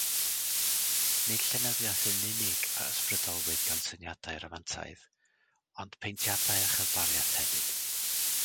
Nid llenyddiaeth yn unig a ysbrydolwyd gan syniadau Rhamantaidd, ond paentiadau a cherddoriaeth hefyd.